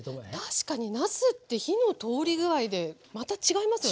確かになすって火の通り具合でまた違いますよね。